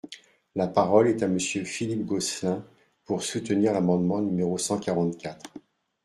La parole est à Monsieur Philippe Gosselin, pour soutenir l’amendement numéro cent quarante-quatre.